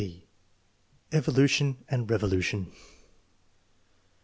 (b) Evolution and revolution.